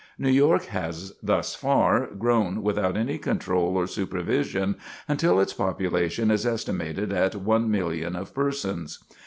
New York has, thus far, grown without any control or supervision, until its population is estimated at 1,000,000 of persons.